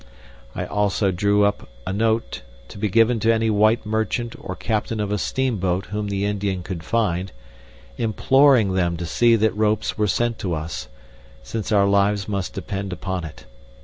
I also drew up a note, to be given to any white merchant or captain of a steam boat whom the Indian could find, imploring them to see that ropes were sent to us, since our lives must depend upon it.